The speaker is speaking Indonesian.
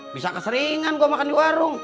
bisa keseringan gue makan di warung